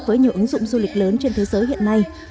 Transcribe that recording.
với nhiều ứng dụng du lịch lớn trên thế giới hiện nay